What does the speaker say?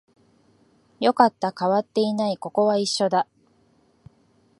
よかった、変わっていない、ここは一緒だ